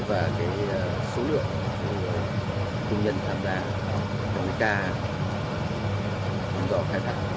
và số lượng công nhân tham gia trong ca bóng gió khai thẳng